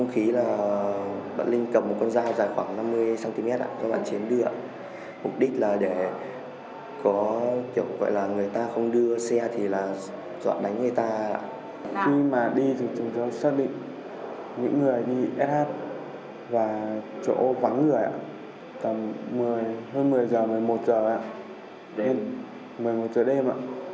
khi mà đi thì chúng tôi xác định những người thì sh và chỗ vắng người tầm hơn một mươi h một mươi một h một mươi một h đêm